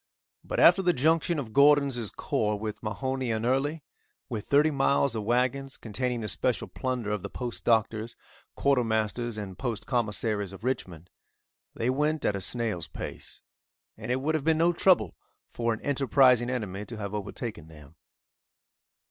But after the junction of Gordon's corps with Mahone and Early, with thirty miles of wagons, containing the special plunder of the Post Doctors, Quartermasters and Post Commissaries of Richmond, they went at a snail's pace, and it would have been no trouble for an enterprising enemy to have overtaken them.